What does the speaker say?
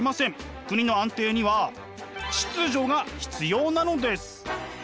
国の安定には「秩序」が必要なのです。